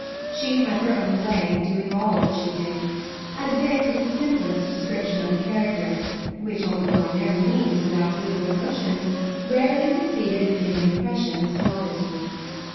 She had her own way of doing all that she did, and this is the simplest description of a character which, although by no means without liberal motions, rarely succeeded in giving an impression of suavity.